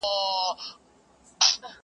ته پاچایې د ځنگلونو او د غرونو!!